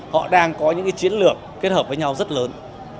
họ đang có những chiến lược kết hợp với nhau rất lớn